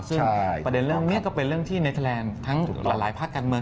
ซึ่งประเด็นเรื่องนี้ก็เป็นเรื่องที่เนเทอร์แลนด์ทั้งหลายภาคการเมือง